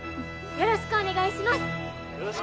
「よろしくお願いします！」。